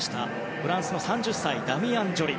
フランスの３０歳ダミアン・ジョリ。